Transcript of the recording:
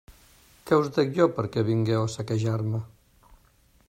Què us dec jo perquè vingueu a saquejar-me?